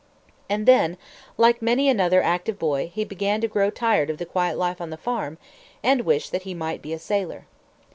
And then, like many another active boy, he began to grow tired of the quiet life on the farm, and wish that he might be a sailor.